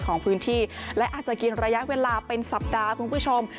ของพื้นที่และอาจจะกินระยะเวลาเป็นสัปดาห์คุณผู้ชม